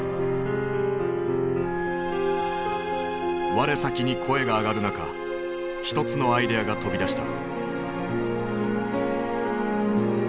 我先に声が上がる中一つのアイデアが飛び出した。